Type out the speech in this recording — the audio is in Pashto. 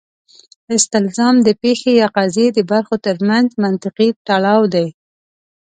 استلزام د پېښې یا قضیې د برخو ترمنځ منطقي تړاو دی.